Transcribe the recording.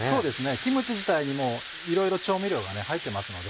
キムチ自体にもういろいろ調味料が入ってますので。